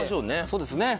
そうですね。